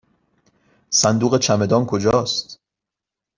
صندوق چمدان کجاست؟